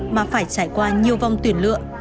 mà phải trải qua nhiều vòng tuyển lựa